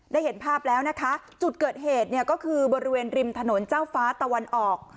เห็นภาพแล้วนะคะจุดเกิดเหตุเนี่ยก็คือบริเวณริมถนนเจ้าฟ้าตะวันออก